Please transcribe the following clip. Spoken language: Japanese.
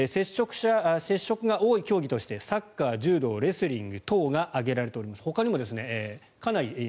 接触が多い競技としてサッカー、柔道、レスリング等が挙げられております。